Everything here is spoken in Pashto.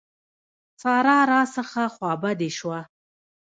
سارا راڅخه خوابدې شوه.